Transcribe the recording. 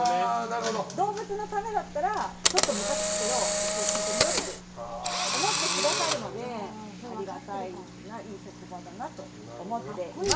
動物のためだったらムカつくけど一応、聞いてみようって思ってくださるのでありがたいないい職場だなと思っています。